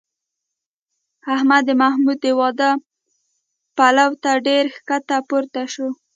احمد د محمود د واده پلو ته ډېر ښکته پورته شو